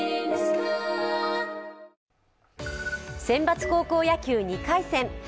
選抜高校野球２回戦。